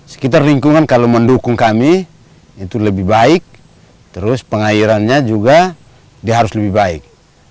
sekitar lingkungan kalau mendukung kami itu lebih baik terus pengairannya juga dia harus lebih baik